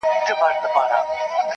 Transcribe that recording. را تاو سوی لکه مار پر خزانه وي -